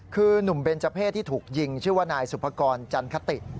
คือหนุ่มเบนเจอร์เพศที่ถูกยิงชื่อว่านายสุภกรจันคติ